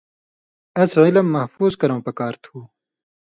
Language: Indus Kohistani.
اس علم محفوظ کرؤں پکار تُھو۔